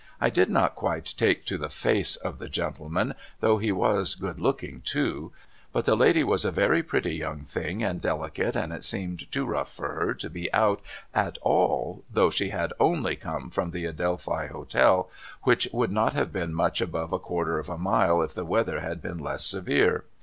I did not quite take to the face of the gentleman though he was good looking too but the lady was a very pretty young thing and delicate, and it seemed too rough for her to be out at all though she had only come from the Adelphi Hotel which would not have been much above a quarter of a mile if the weather had been less severe.